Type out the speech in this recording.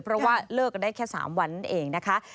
เพราะว่าเลิกกันได้แค่๓วันนั่นเองนะคะ